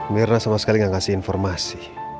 mirna sama sekali gak ngasih informasi